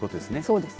そうです。